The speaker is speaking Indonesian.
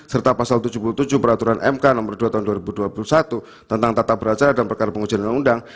serta pasal tujuh puluh tujuh peraturan mk nomor dua tahun dua ribu dua puluh satu tentang tata beracara dalam perkara pengujian undang undang